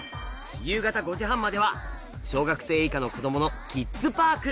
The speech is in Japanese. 夕方５時半までは小学生以下の子供のキッズパーク